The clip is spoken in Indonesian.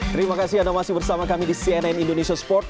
terima kasih anda masih bersama kami di cnn indonesia sport